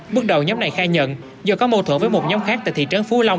bước đầu nhóm này khai nhận do có mâu thuẫn với một nhóm khác tại thị trấn phú long